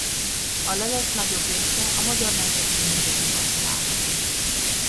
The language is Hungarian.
A lelet nagyobb része a Magyar Nemzeti Múzeumban található.